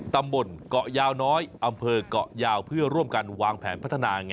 ตำบลเกาะยาวน้อยอำเภอกเกาะยาวเพื่อร่วมกันวางแผนพัฒนา